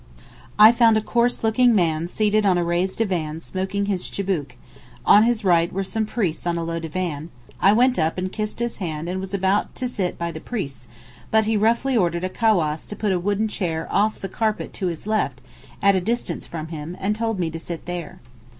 I found a coarse looking man seated on a raised divan smoking his chibouk, on his right were some priests on a low divan; I went up and kissed his hand and was about to sit by the priests, but he roughly ordered a cawass to put a wooden chair off the carpet to his left, at a distance from him, and told me to sit there.